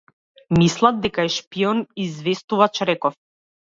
Мислат дека е шпион и известувач, реков.